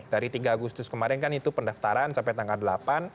dari tiga agustus kemarin kan itu pendaftaran sampai tanggal delapan